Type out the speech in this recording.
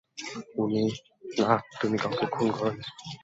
না, তুমি কাউকেই খুন করোনি!